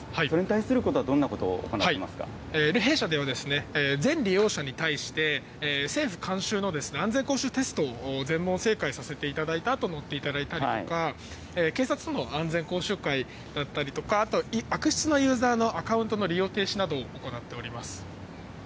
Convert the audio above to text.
それに対することは、どんなこと弊社では、全利用者に対して、政府監修の安全講習テストを全問正解させていただいたあと乗っていただいたりとか、警察との安全講習会だったりとか、あとは悪質なユーザーのアカウントの利用停止などを行っております。